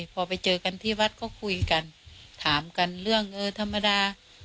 พอไปเจอกันที่วัดก็คุยกันถามกันเรื่องเออธรรมดา